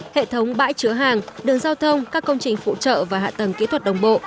hệ thống bãi chứa hàng đường giao thông các công trình phụ trợ và hạ tầng kỹ thuật đồng bộ